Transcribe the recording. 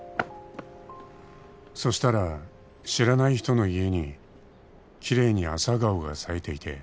「そしたら知らない人の家に奇麗に朝顔が咲いていて」